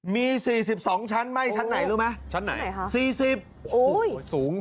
มีสี่สิบสองชั้นไหม้ชั้นไหนรู้ไหมชั้นไหนสี่สิบโอ้ยสูง